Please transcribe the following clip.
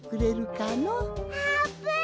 あーぷん！